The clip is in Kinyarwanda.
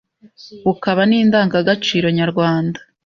bukaba n’Indangagaciro nyarwanda.